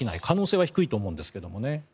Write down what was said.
可能性は低いと思うんですけどね。